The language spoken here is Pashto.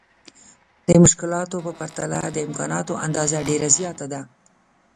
د مشکلاتو په پرتله د امکاناتو اندازه ډېره زياته ده.